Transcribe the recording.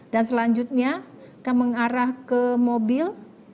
dan selanjutnya kita mengarah ke mobil